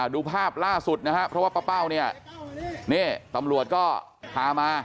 ดูภาพล่าสุดนะครับเพราะว่าป้าเป้าเนี่ยนี่ตำรวจก็พามา